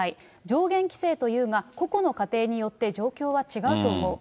上限規制というが、個々の家庭によって状況は違うと思う。